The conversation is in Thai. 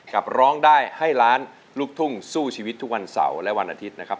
ร้องได้ให้ล้านลูกทุ่งสู้ชีวิตทุกวันเสาร์และวันอาทิตย์นะครับ